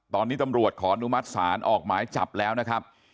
ตอนนี้ตำรวจขออนุมัติศาลออกหมายจับแล้วนะครับ